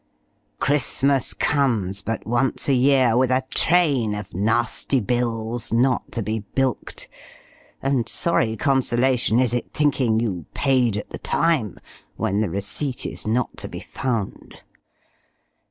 'Christmas comes but once a year,' with a train of nasty bills, not to be bilk'd; and sorry consolation is it thinking you 'paid at the time,' when the receipt is not to be found.